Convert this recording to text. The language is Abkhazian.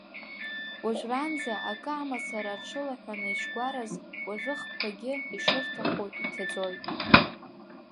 Уажәраанӡа акы амацара аҽылаҳәаны ишгәараз, уажәы хԥагьы ишырҭахыу иҭаӡоит.